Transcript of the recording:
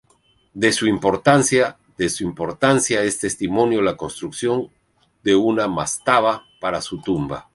De su importancia es testimonio la construcción de una mastaba para su tumba.